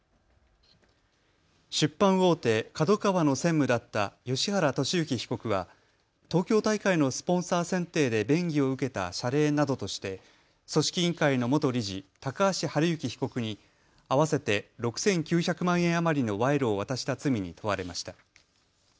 出版大手ＫＡＤＯＫＡＷＡの専務だった芳原世幸被告は東京大会のスポンサー選定で便宜を受けた謝礼などとして組織委員会の元理事、高橋治之被告に合わせて６９００万円余りの賄賂を渡した罪に問われました。